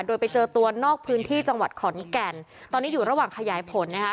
โดยไปเจอตัวนอกพื้นที่จังหวัดขอนแก่นตอนนี้อยู่ระหว่างขยายผลนะคะ